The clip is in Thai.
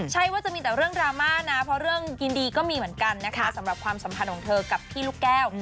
ใช่ว่าจะมีแต่เรื่องดราม่านะเพราะเรื่องยินดีก็มีเหมือนกันนะคะสำหรับความสัมพันธ์ของเธอกับพี่ลูกแก้ว